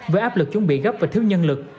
với áp lực chuẩn bị gấp và thiếu nhân lực